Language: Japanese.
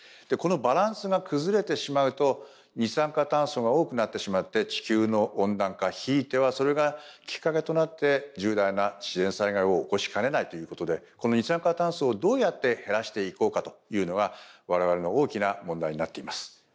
このバランスが崩れてしまうと二酸化炭素が多くなってしまって地球の温暖化ひいてはそれがきっかけとなって重大な自然災害を起こしかねないということでこの二酸化炭素をどうやって減らしていこうかというのが我々の大きな問題になっています。